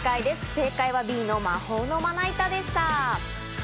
正解はＢの「まな板」でした。